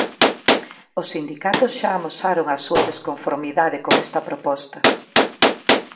Os sindicatos xa amosaron a súa desconformidade con esta proposta.